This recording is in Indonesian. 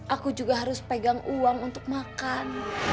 aku juga harus pegang uang untuk makan